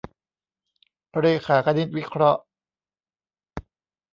เรขาคณิตวิเคราะห์